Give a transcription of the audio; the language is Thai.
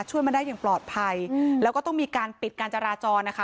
มาได้อย่างปลอดภัยแล้วก็ต้องมีการปิดการจราจรนะคะ